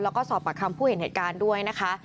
แล้วก็สอบปากคำผู้เห็นเหตุการณ์ด้วยนะคะ